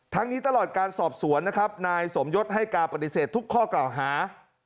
นี้ตลอดการสอบสวนนะครับนายสมยศให้การปฏิเสธทุกข้อกล่าวหา